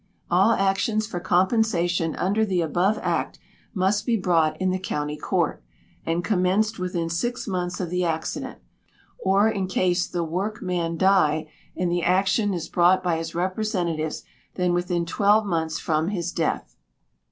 All actions for compensation under the above Act must be brought in the County Court, and commenced within six months of the accident, or, in case the workman die and the action is brought by his representatives, then within twelve months from his death.